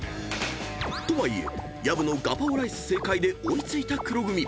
［とはいえ薮のガパオライス正解で追い付いた黒組］